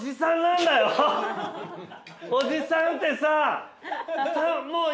おじさんってさ